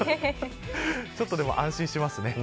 ちょっと、でも安心しますね。